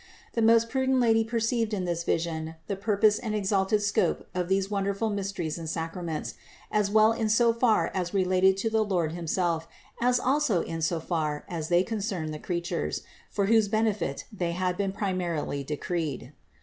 The most prudent Lady per ceived in this vision the purpose and exalted scope of these wonderful mysteries and sacraments, as well in so far as related to the Lord himself as also in so far as they concerned creatures, for whose benefit they had been primarily decreed.